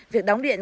việc đóng điện